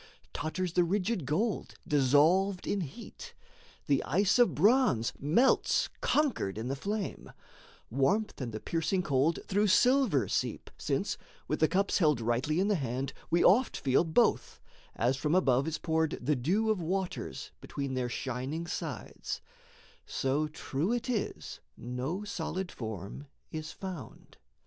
Totters the rigid gold dissolved in heat; The ice of bronze melts conquered in the flame; Warmth and the piercing cold through silver seep, Since, with the cups held rightly in the hand, We oft feel both, as from above is poured The dew of waters between their shining sides: So true it is no solid form is found.